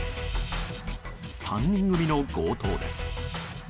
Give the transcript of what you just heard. ３人組の強盗です。